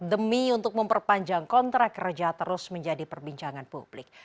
demi untuk memperpanjang kontrak kerja terus menjadi perbincangan publik